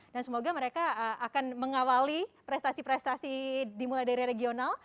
semoga mereka akan mengawali prestasi prestasi dimulai dari regional